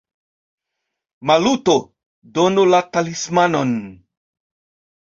Maluto, donu la talismanon!